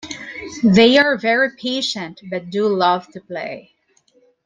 They are not very patient but do love to play.